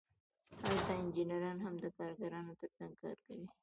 هلته انجینران هم د کارګرانو ترڅنګ کار کوي